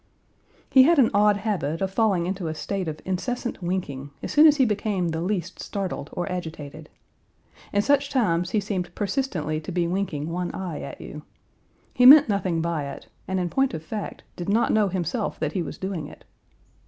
He had an odd habit of falling into a state of incessant winking as soon as he became the least startled or agitated. In such times he seemed persistently to be winking one eye at you. He meant nothing by it, and in point of fact did not know himself that he was doing it.